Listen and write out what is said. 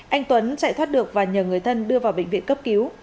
anh tuấn chạy thoát được và nhờ người thân đưa vào bệnh viện cấp cứu